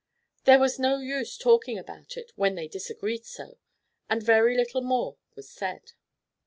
There was no use talking about it when they disagreed so, and very little more was said.